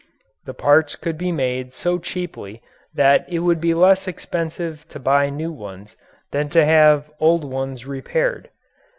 The parts could be made so cheaply that it would be less expensive to buy new ones than to have old ones repaired.